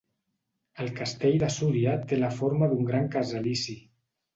El castell de Súria té la forma d'un gran casalici.